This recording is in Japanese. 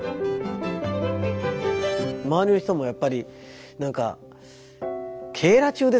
周りの人もやっぱり何か警ら中ですよ。